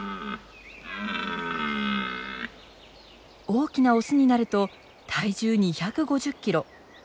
大きなオスになると体重２５０キロ。